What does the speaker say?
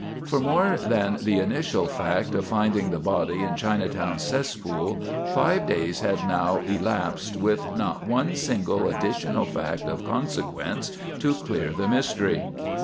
For, more than the initial fact of finding the body in Chinatown's cesspool, five days had now elapsed with not one single additional fact of consequence to clear the mystery.